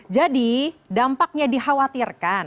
jadi dampaknya dikhawatirkan